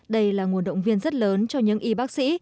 đây là nguồn động viên rất lớn cho những y bác sĩ